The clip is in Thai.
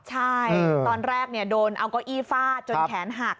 ใช่ตอนแรกโดนอัลโกอีฟาจนแขนหัก